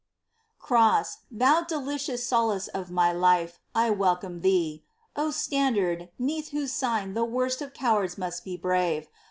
Cross, thou delicious solace of my life, I welcome thee ! O standard, 'neath whose sign, the worst Of cowards must be brave